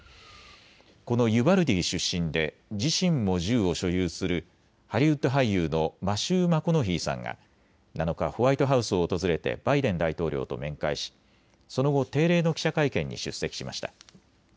このユバルディ出身で自身も銃を所有するハリウッド俳優のマシュー・マコノヒーさんが７日、ホワイトハウスを訪れバイデン大統領と面会しその後、定例の記者会見に出席しました。